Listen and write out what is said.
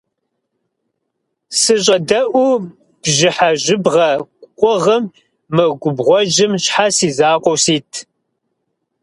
СыщӀэдэӀуу бжьыхьэ жьыбгъэ къугъым, мы губгъуэжьым щхьэ си закъуэу сит?